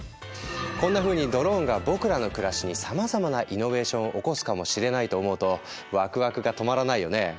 こんなふうにドローンが僕らの暮らしにさまざまなイノベーションを起こすかもしれないと思うとワクワクが止まらないよね。